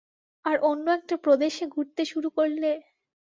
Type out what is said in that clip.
আর অন্য একটা প্রদেশে ঘুরতে শুরু করলে?